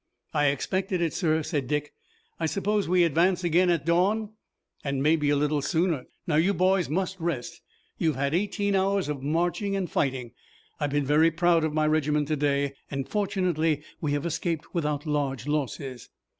"I expected it, sir," said Dick. "I suppose we advance again at dawn." "And maybe a little sooner. Now you boys must rest. You've had eighteen hours of marching and fighting. I've been very proud of my regiment today, and fortunately we have escaped without large losses."